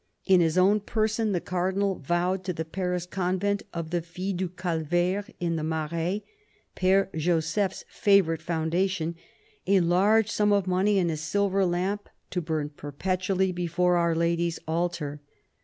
In his own person, the Cardinal vowed to the Paris convent of the Filles du Calvaire, in the Marais, Pfere Joseph's favourite foundation, a large sum of money and a silver lamp to burn perpetually before Our Lady's altar.